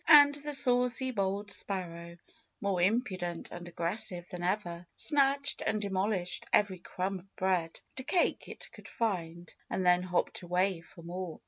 And the saucy, bold sparrow, more impudent and aggressive than ever, snatched and de molished every crumb of bread and cake it could find; and then hopped away for more.